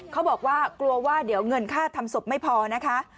เขาบอกว่ากลัวว่าเดี๋ยวเงินค่าทำศพไม่พอนะคะ